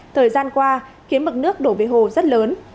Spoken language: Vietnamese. thời gian qua khiến mực nước đổ về hồ rất lớn